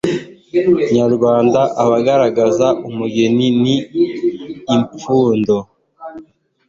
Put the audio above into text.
nyarwanda abigaragaza ,umugani n'ipfundo